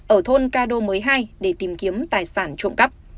ở thôn cado một mươi hai để tìm kiếm tài sản trộm cắp